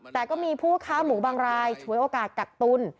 แต่ก็มีผู้ค้าหมูบางรายฉวยโอกาสกักตุ้น